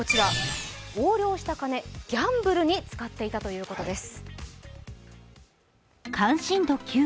横領した金、ギャンブルに使っていたということです。